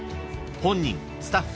［本人スタッフ。